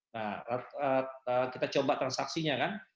nah kita coba transaksinya kan